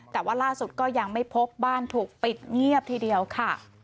แต่ว่าล่าสุดก็ยังไม่พบบ้านถูกปิดเงียบทีเดียวค่ะ